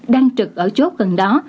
đang trực ở chốt gần đó